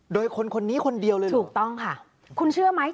โดยคนคนนี้คนเดียวเลยเหรอถูกต้องค่ะคุณเชื่อไหม